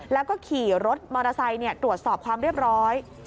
แล้วก็ขี่รถมอเตอร์ไซค์ตรวจสอบความเรียบร้อย